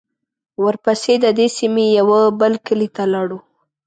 ورپسې د دې سیمې یوه بل کلي ته لاړو.